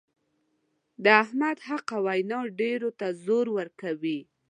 د احمد حقه وینا ډېرو ته زور ورکوي.